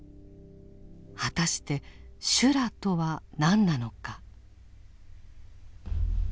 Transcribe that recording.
果たして「修羅」とは何なのか。